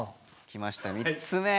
きました３つめ！